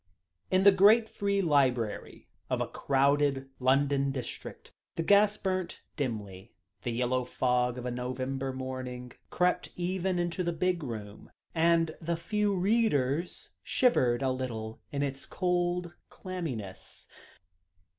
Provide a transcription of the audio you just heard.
In the great Free Library of a crowded London district, the gas burnt dimly; the yellow fog of a November morning crept even into the big room, and the few readers shivered a little in its cold clamminess.